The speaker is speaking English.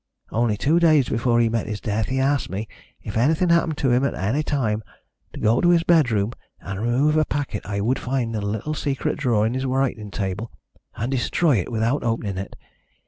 Only two days before he met his death he asked me, if anything happened to him at any time, to go to his bedroom and remove a packet I would find in a little secret drawer in his writing table, and destroy it without opening it.